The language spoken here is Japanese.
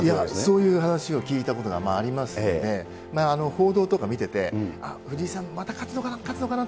そういう話を聞いたことがありますんで、報道とか見てて、あっ、藤井さんまた勝つのかな、勝つのかな？